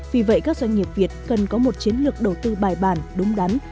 vì vậy các doanh nghiệp việt cần có một chiến lược đầu tư bài bản đúng đắn